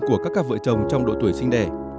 của các cặp vợ chồng trong độ tuổi sinh đẻ